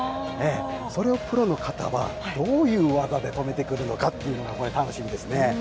それをプロの方はどういう技で止めてくるのかというのがこれ、楽しみですね。